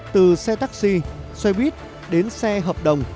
từ xe taxi xe buýt đến xe hợp đồng